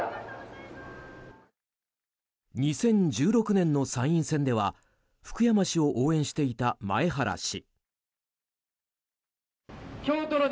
２０１６年の参院選では福山氏を応援していた前原氏。